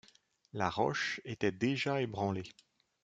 La roche était déjà ébranlée.